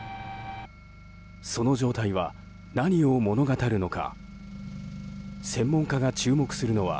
その状態は何を物語るのか。